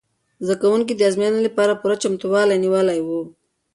زده کوونکو د ازموینې لپاره پوره چمتووالی نیولی و.